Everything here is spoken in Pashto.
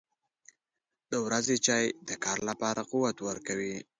• د ورځې چای د کار لپاره قوت ورکوي.